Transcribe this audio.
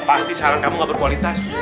pasti saran kamu gak berkualitas